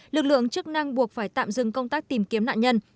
lực lượng chức năng buộc phải tạm dừng công tác tìm kiếm nạn nhân